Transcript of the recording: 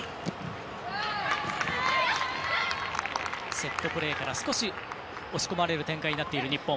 セットプレーから少し押し込まれる展開になっている日本。